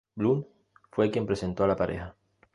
Blunt fue quien presentó a la pareja.